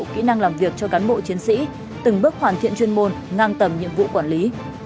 kỹ năng làm việc cho cán bộ chiến sĩ từng bước hoàn thiện chuyên môn ngang tầm nhiệm vụ quản lý